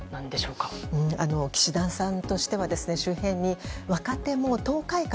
岸田さんとしては周辺に若手も党改革